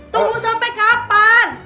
tunggu sampai kapan